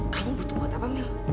kamu butuh buat apa mil